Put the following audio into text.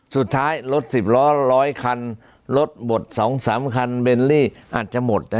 สุดท้ายรถสิบล้อร้อยคันรถหมด๒๓คันเบลลี่อาจจะหมด